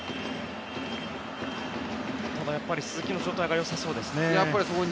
ただ、やっぱり鈴木の状態がよさそうですね。